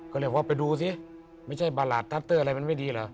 ก็เรียกว่าไปดูสิไม่ใช่ประหลาดทัตเตอร์อะไรมันไม่ดีเหรอ